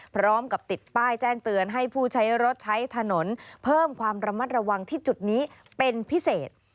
พร้อมกับติดป้ายแจ้งเตือนให้ผู้ใช้รถใช้ถนนเพิ่มความระมัดระวังที่จุดนี้เป็นพิเศษ